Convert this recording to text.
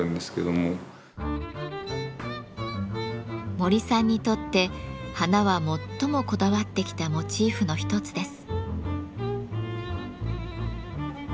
森さんにとって花は最もこだわってきたモチーフの一つです。